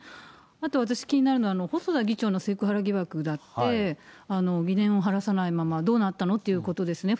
あと私気になるのは、細田議長のセクハラ疑惑だって、疑念を晴らさないまま、どうなったの？ということですね。